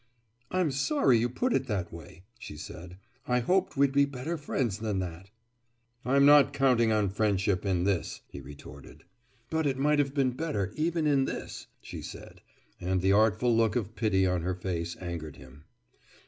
"I'm sorry you put it that way," she said. "I hoped we'd be better friends than that!" "I'm not counting on friendship in this!" he retorted. "But it might have been better, even in this!" she said. And the artful look of pity on her face angered him.